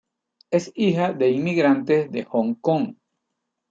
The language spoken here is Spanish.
Es hija de inmigrantes de Hong Kong.